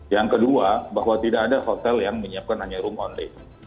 yang kedua bahwa tidak ada hotel yang menyiapkan hanya room only